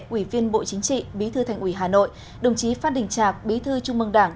ủy viên bộ chính trị bí thư thành ủy hà nội đồng chí phát đình trạc bí thư trung mương đảng